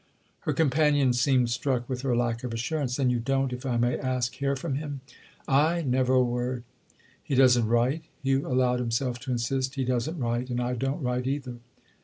Her companion seemed struck with her lack of assurance. "Then you don't—if I may ask—hear from him?" "I? Never a word." "He doesn't write?" Hugh allowed himself to insist. "He doesn't write. And I don't write either."